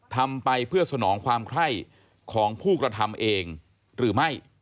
ทำไปเพื่อสนองความไข้ของผู้กระทำเองหรือไม่